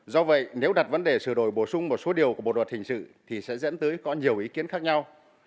do vậy nếu đặt vấn đề sửa đổi bổ sung một số điều của bộ luật hình sự thì sẽ dẫn tới có nhiều ý kiến khác nhau